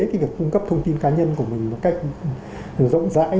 cái việc cung cấp thông tin cá nhân của mình một cách rộng rãi